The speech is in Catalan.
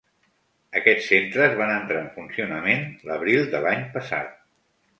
Aquests centres van entrar en funcionament l’abril de l’any passat.